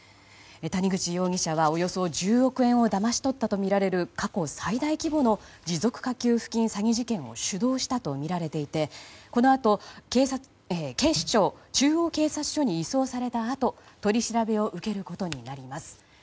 谷口容疑者はおよそ１０億円をだまし取ったとみられる過去最大規模の持続化給付金詐欺事件を主導したとみられていてこのあと、警視庁中央警察署に移送されたあと、取り調べを受けることになります。